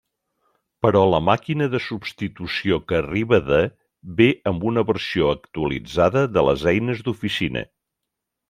Però la màquina de substitució que arriba de ve amb una versió actualitzada de les eines d'oficina.